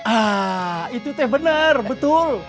ah itu teh benar betul